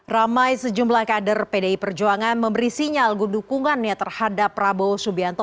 ramai sejumlah kader pdi perjuangan memberi sinyal dukungannya terhadap prabowo subianto